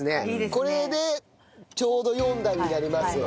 これでちょうど４段になりますよ。